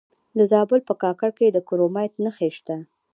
د زابل په کاکړ کې د کرومایټ نښې شته.